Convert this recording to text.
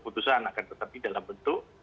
putusan akan tetapi dalam bentuk